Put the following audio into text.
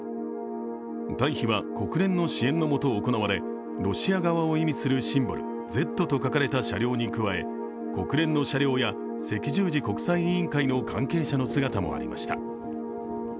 退避は、国連の支援のもと行われ、ロシア側を意味するシンボル「Ｚ」と書かれた車両に加え国連の車両や赤十字国際委員会の関係者の姿もありました。